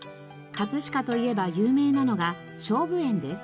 飾といえば有名なのが菖蒲園です。